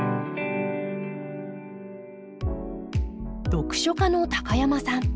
読書家の高山さん。